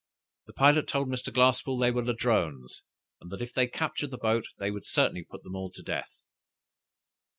The pilot told Mr. Glasspoole they were Ladrones, and that if they captured the boat, they would certainly put them all to death!